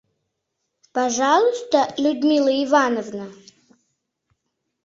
— Пожалуйста, Людмила Ивановна?..